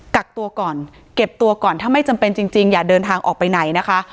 กักตัวก่อนเก็บตัวก่อนถ้าไม่จำเป็นจริงอย่าเดินทางออกไปไหนนะคะ